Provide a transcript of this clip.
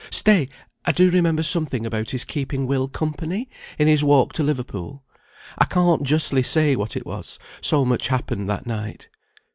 "Stay! I do remember something about his keeping Will company, in his walk to Liverpool. I can't justly say what it was, so much happened that night."